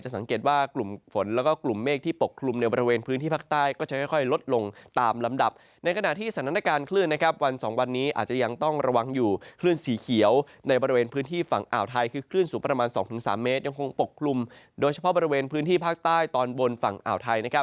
อ่าวไทยคือคลื่นสูงประมาณ๒๓เมตรยังคงปกกลุ่มโดยเฉพาะบริเวณพื้นที่ภาคใต้ตอนบนฝั่งอ่าวไทย